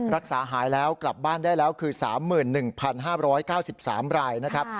รักษาหายแล้วกลับบ้านได้แล้วคือ๓๑๕๙๓รายนะครับ